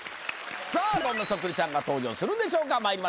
さあどんなそっくりさんが登場するんでしょうか。